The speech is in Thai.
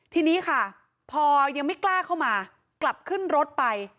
ทีนี้ค่ะพอยังไม่กล้าเข้ามากลับขึ้นรถไป